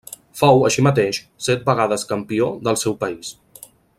Fou, així mateix, set vegades campió del seu país.